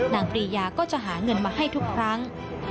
ปรียาก็จะหาเงินมาให้ทุกครั้ง